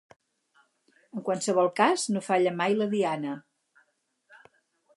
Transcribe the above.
En qualsevol cas, no falla mai la diana.